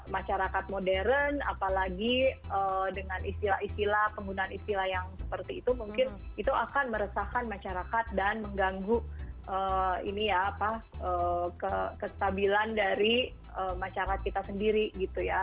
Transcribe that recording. masyarakat modern apalagi dengan istilah istilah penggunaan istilah yang seperti itu mungkin itu akan meresahkan masyarakat dan mengganggu kestabilan dari masyarakat kita sendiri gitu ya